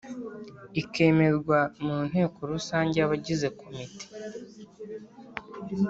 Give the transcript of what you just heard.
ikemerwa mu nteko Rusange yabagize komite